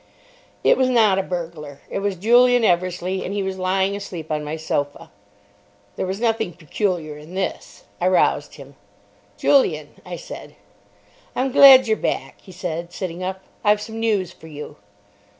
It was not a burglar. It was Julian Eversleigh, and he was lying asleep on my sofa. There was nothing peculiar in this. I roused him. "Julian," I said. "I'm glad you're back," he said, sitting up; "I've some news for you."